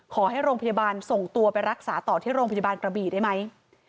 ขอให้โรงพยาบาลส่งตัวไปรักษาต่อที่โรงพยาบาลกระบี่ได้ไหม